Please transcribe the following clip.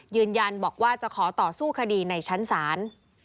ยืนยันบอกว่าจะขอต่อสู้คดีในชั้นศาล